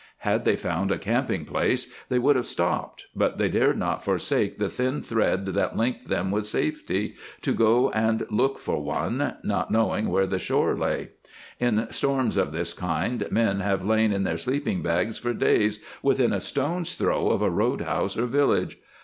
Had they found a camping place they would have stopped, but they dared not forsake the thin thread that linked them with safety to go and look for one, not knowing where the shore lay. In storms of this kind men have lain in their sleeping bags for days within a stone's throw of a roadhouse or village.